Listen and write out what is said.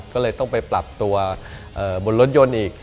ก็เลยต้องไปปรับตัวบนรถยนต์อีก